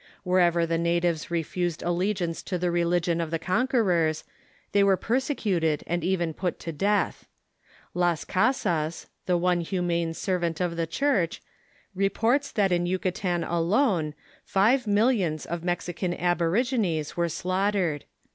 AVher Conquest Qy^^y the natives refused allegiance to the religion of the conquerors, they were persecuted and even i^ut to death. Las Casas, the one humane servant of the Church, reports that in Yucatan alone five millions of Mexican aborigines were slaughtered.